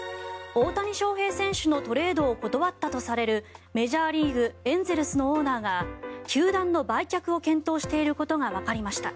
大谷翔平選手のトレードを断ったとされるメジャーリーグ、エンゼルスのオーナーが球団の売却を検討していることがわかりました。